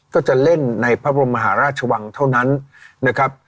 ก็จะเล่นในพระบรมมหาราชวังเท่านั้นนะครับ